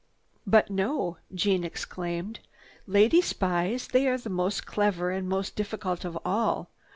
"But no!" Jeanne exclaimed. "Lady spies, they are the most clever and most difficult of all.